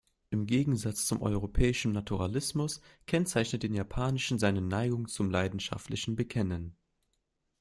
Im Gegensatz zum europäischen Naturalismus kennzeichnet den japanischen seine Neigung zum leidenschaftlichen Bekennen.